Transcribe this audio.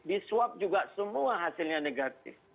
di swab juga semua hasilnya negatif